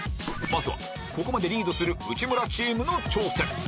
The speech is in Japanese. まずはここまでリードする内村チームの挑戦